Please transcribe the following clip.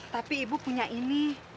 tapi ibu punya ini